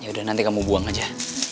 yaudah nanti kamu buang aja